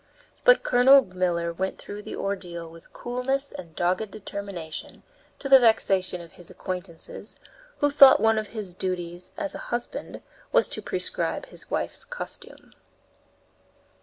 But Colonel Miller went through the ordeal with coolness and dogged determination, to the vexation of his acquaintances, who thought one of his duties as a husband was to prescribe his wife's costume.